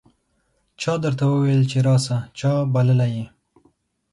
چا درته وویل چې راسه ؟ چا بللی یې